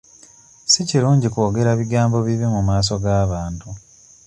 Si kirungi kwogera bigambo bibi mu maaso g'abantu.